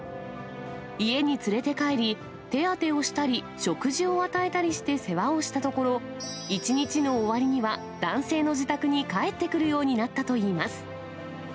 家に連れて帰り、手当てをしたり、食事を与えたりして世話をしたところ、一日の終わりには、男性の自宅に帰ってくるようになったといいます。